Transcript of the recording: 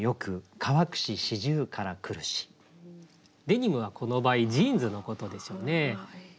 「デニム」はこの場合ジーンズのことでしょうね。